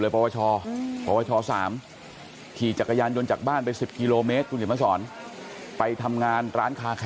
บรรที่รั้นคาโคร